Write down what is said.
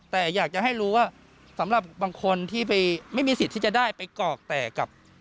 แต่อยากจะให้รู้ว่าสำหรับบางคนที่ไปไม่มีสิทธิ์ที่จะได้ไปกรอกแตกกับ